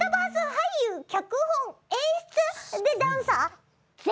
俳優脚本演出でダンサー？